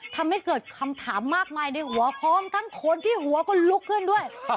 ทำให้เกิดคำถามมากมายในหัวพร้อมทั้งคนที่หัวก็ลุกขึ้นด้วย